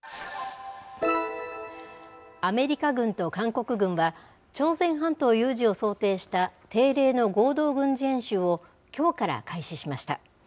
アメリカ軍と韓国軍は、朝鮮半島有事を想定した定例の合同軍事演習をきょうから開始しました。